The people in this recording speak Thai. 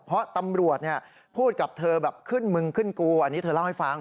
เพราะตำรวจพูดกับเธอแบบขึ้นมึงขึ้นกูอันนี้เธอเล่าให้ฟัง